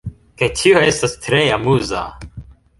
kaj tio estas tre amuza